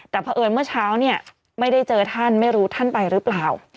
แต่เมื่อเช้าไม่ได้เจอท่านไม่รู้ท่านไปหรือเปล่า